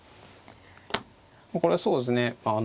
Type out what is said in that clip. これはそうですね